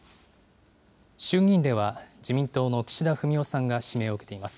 衆議院では、自民党の岸田文雄さんが指名を受けています。